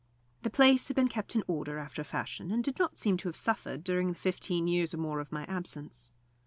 The place had been kept in order after a fashion, and did not seem to have suffered during the fifteen years or more of my absence.